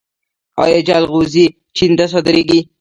آیا جلغوزي چین ته صادریږي؟